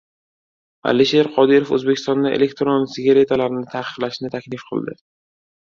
Alisher Qodirov O‘zbekistonda elektron sigaretalarni taqiqlashni taklif qildi